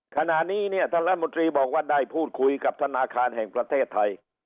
ขณะนี้เนี่ยท่านรัฐมนตรีบอกว่าได้พูดคุยกับธนาคารแห่งประเทศไทย